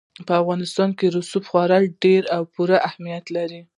په افغانستان کې رسوب خورا ډېر او پوره اهمیت لري.